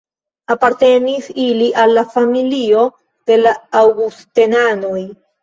Apartenis ili al la familio de la Aŭgustenanoj.